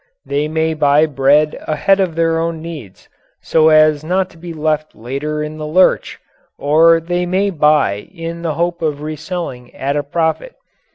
They may buy bread ahead of their own needs, so as not to be left later in the lurch, or they may buy in the hope of reselling at a profit.